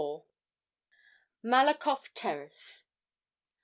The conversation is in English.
MALAKOFF TERRACE.